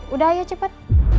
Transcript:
udah ayo cepet